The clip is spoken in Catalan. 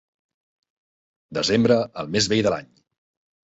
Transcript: Desembre, el mes més vell de l'any.